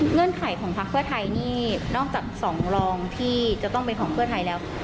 เงื่อนไขของพักเพิ่มไทยนี่นอกจาก๒รองที่จะต้องเป็นของเพิ่มไทยแล้ว